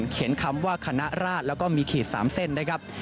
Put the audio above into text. เขียนคำว่าคณะราชแล้วก็มีขีด๓เส้นนะครับ